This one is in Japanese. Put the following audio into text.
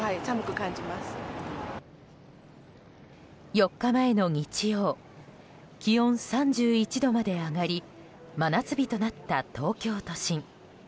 ４日前の日曜気温３１度まで上がり真夏日となった東京都心。